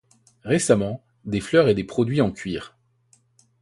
Récemment, des fleurs et des produits en cuir.